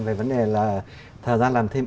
về vấn đề là thời gian làm thêm